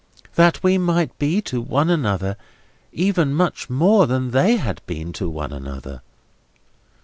"That we might be to one another even much more than they had been to one another?"